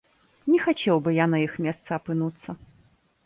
Не хацеў бы я на іх месцы апынуцца.